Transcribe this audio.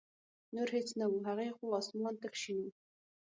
نور هېڅ نه و، هغې خوا اسمان تک شین و.